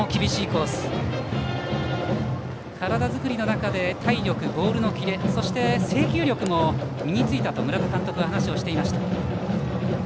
体作りの中で体力、ボールのキレそして、制球力も身についたと村田監督は話をしていました。